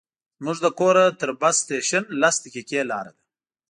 زموږ له کوره تر بس سټېشن لس دقیقې لاره ده.